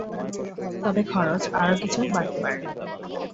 তবে খরচ আরও কিছু বাড়তে পারে।